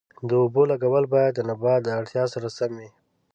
د اوبو لګول باید د نبات د اړتیا سره سم وي.